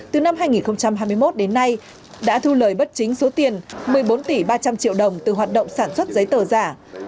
từ năm hai nghìn hai mươi một đến nay đã thu lời bất chính số tiền một mươi bốn tỷ ba trăm linh triệu đồng từ hoạt động sản xuất giấy tờ giả